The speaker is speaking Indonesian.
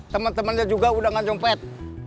teman temannya juga udah ngacong pet